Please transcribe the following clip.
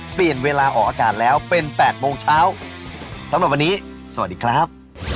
เปลี่ยนเวลาออกอากาศแล้วเป็น๘โมงเช้าสำหรับวันนี้สวัสดีครับ